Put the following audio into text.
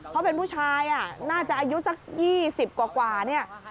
เพราะเป็นผู้ชายน่าจะอายุสัก๒๐กว่าเนี่ย